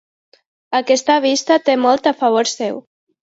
Aquesta vista té molt a favor seu.